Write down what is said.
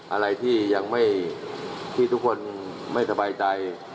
อะไรที่ทุกคนไม่สบายใจ